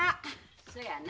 そやな。